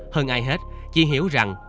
hơn ai hết chỉ hiểu rằng